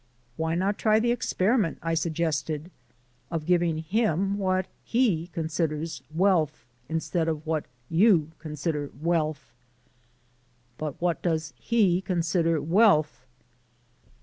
"Why not try the experiment," I suggested, "of giving him what he considers wealth, instead of what you consider wealth?" "But what does he consider wealth?"